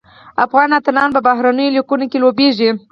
افغان اتلان په بهرنیو لیګونو کې لوبیږي.